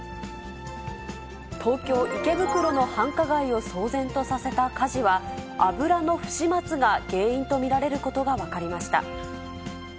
東京・池袋の繁華街を騒然とさせた火事は、油の不始末が原因と見られることが分かりました。